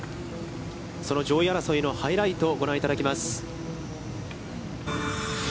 その上位争いのハイライトをご覧いただきます。